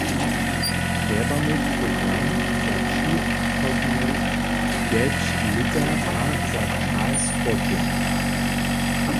Trjebamy program za přichodne pjeć lěta a za čas po tym.